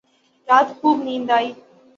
رات خوب نیند آئی